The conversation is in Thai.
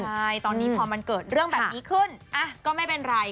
ใช่ตอนนี้พอมันเกิดเรื่องแบบนี้ขึ้นก็ไม่เป็นไร